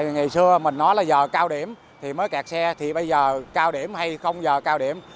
ngày xưa mình nói là giờ cao điểm thì mới kẹt xe thì bây giờ cao điểm hay không giờ cao điểm